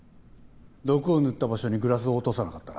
毒を塗った場所にグラスを落とさなかったら？